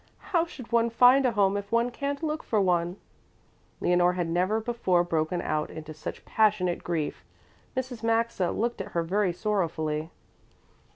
How should one find a home if one can't look for one?" Leonore had never before broken out into such passionate grief. Mrs. Maxa looked at her very sorrowfully.